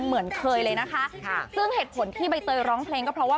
เหมือนเคยเลยนะคะค่ะซึ่งเหตุผลที่ใบเตยร้องเพลงก็เพราะว่า